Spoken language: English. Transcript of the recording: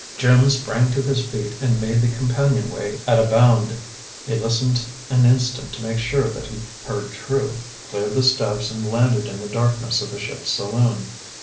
Jim sprang to his feet and made the companionway at a bound. He listened an instant to make sure that he heard true, cleared the steps, and landed in the darkness of the ship's saloon.